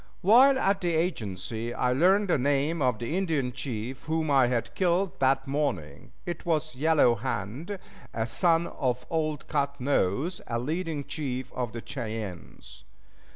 While at the agency I learned the name of the Indian chief whom I had killed that morning; it was Yellow Hand, a son of old Cut Nose, a leading chief of the Cheyennes.